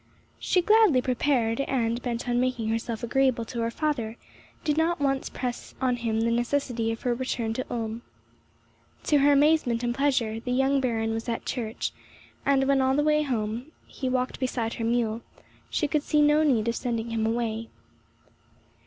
She gladly prepared, and, bent on making herself agreeable to her father, did not once press on him the necessity of her return to Ulm. To her amazement and pleasure, the young Baron was at church, and when on the way home, he walked beside her mule, she could see no need of sending him away.